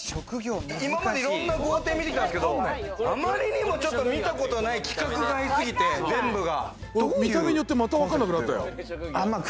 今までいろんな豪邸見てきたんですけど、あまりにも見たことがない規格外すぎて全部が。